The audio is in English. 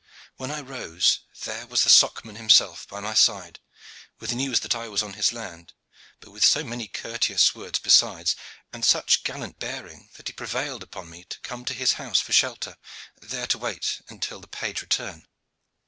When I rose there was the Socman himself by my side, with the news that I was on his land, but with so many courteous words besides, and such gallant bearing, that he prevailed upon me to come to his house for shelter, there to wait until the page return.